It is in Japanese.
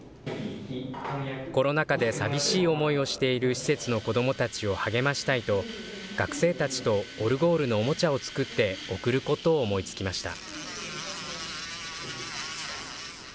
コロナ禍で寂しい思いをしている施設の子どもたちを励ましたいと、学生たちとオルゴールのおもちゃを作って贈ることを思いつきました。